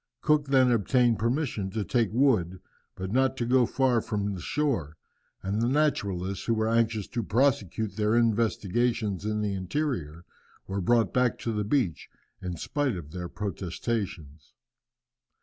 Cook then obtained permission to take wood, but not to go far from the shore, and the naturalists, who were anxious to prosecute their investigations in the interior, were brought back to the beach, in spite of their protestations.